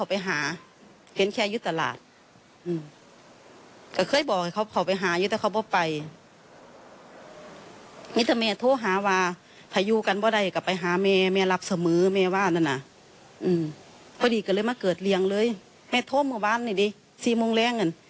พอดีก็เลยมาเกิดเลี้ยงเลยแม่โทรมาบ้านนี่ดิ๔โมงแรงกัน